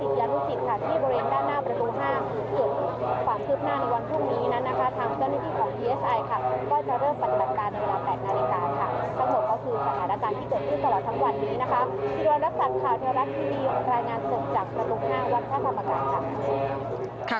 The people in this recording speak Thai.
สิริวัณรักษัตริย์ข่าวเทวาลักษณ์ที่ดีรายงานเสริมจากระดูก๕วันท่าธรรมกราศาสตร์